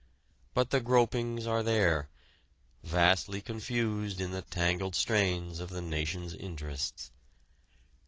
But the gropings are there, vastly confused in the tangled strains of the nation's interests.